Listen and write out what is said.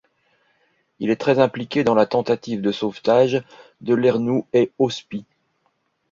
Il est très impliqué dans la tentative de sauvetage de Lernout & Hauspie.